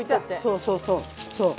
そうそうそうそう。